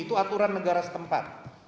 itu aturan negara setempat